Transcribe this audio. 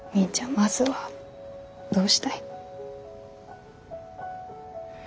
まずはどうしたい？